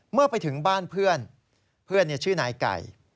เมื่อไปถึงบ้านเพื่อนเพื่อนชื่อนายไก่